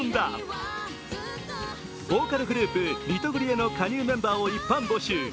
ボーカルグループリトグリへの加入メンバーを一般募集。